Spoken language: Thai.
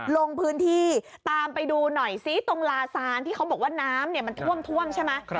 ลงพื้นที่ตามไปดูหน่อยซิตรงลาซานที่เขาบอกว่าน้ำมันท่วมใช่ไหม